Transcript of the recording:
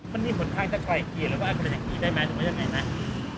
มันมีหมดทางถ้าไกลเกียร์แล้วก็อักษัตริย์ได้ไหมถูกไหมยังไงนะ